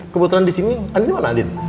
kebetulan disini andien dimana andien